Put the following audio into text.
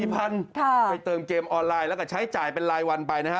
ไปเติมเกมออนไลน์แล้วก็ใช้จ่ายเป็นรายวันไปนะฮะ